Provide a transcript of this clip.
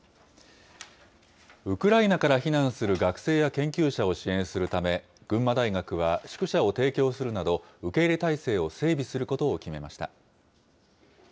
ウクライナから避難する学生や研究者を支援するため、群馬大学は宿舎を提供するなど受け入れ体制を整備することを決めました。